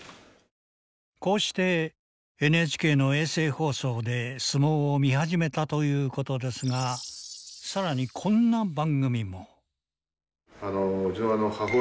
こうしてＮＨＫの衛星放送で相撲を見始めたということですが更にこんな番組も。